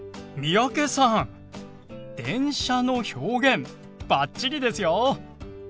三宅さん「電車」の表現バッチリですよ。